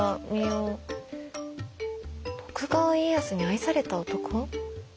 「徳川家康に愛された男」？